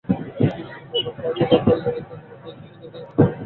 মনে হয়, এমন একটা জীবনকে সে যেন এতকাল ঠিকভাবে ব্যবহার করে নাই।